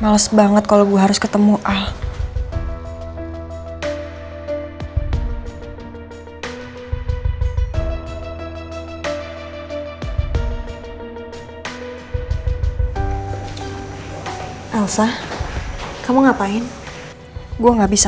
loh itu apa guys